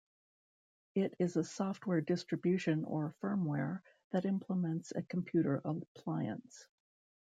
It is a software distribution or firmware that implements a computer appliance.